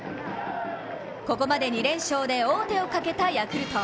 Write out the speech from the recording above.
ここまで２連勝で王手をかけたヤクルト。